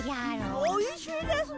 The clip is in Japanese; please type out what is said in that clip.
おいしいですね。